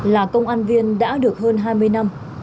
là công an viên đã được hơn hai mươi năm